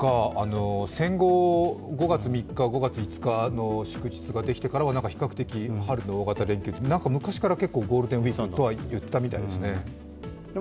戦後、５月３日、５月５日の祝日ができてからは比較的春の大型連休と昔から比較的ゴールデンウイークとは言っていたみたいですね。